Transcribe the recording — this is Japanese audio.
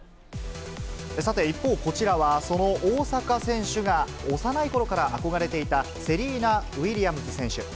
さて、一方、こちらはその大坂選手が幼いころから憧れていたセリーナ・ウィリアムズ選手。